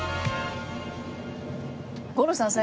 五郎さん